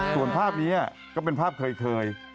ตัวนี้ก็เป็นภาพเคย